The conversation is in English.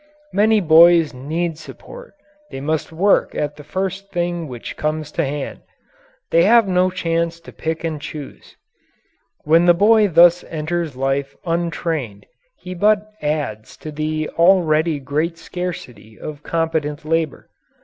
Many boys need support; they must work at the first thing which comes to hand. They have no chance to pick and choose. When the boy thus enters life untrained, he but adds to the already great scarcity of competent labour.